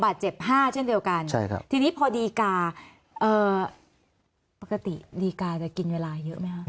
เจ็บ๕เช่นเดียวกันทีนี้พอดีกาปกติดีกาจะกินเวลาเยอะไหมครับ